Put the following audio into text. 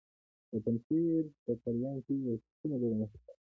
د پنجشیر په پریان کې د سپینو زرو نښې شته.